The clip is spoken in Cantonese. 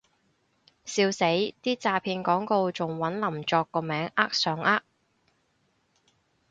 笑死，啲詐騙廣告仲搵林作個名呃上呃